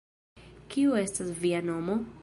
Kiu estas via nomo?